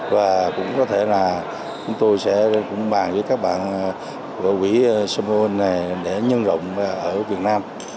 và cũng có thể là chúng tôi sẽ cũng bàn với các bạn đội quỹ somoing này để nhân rộng ở việt nam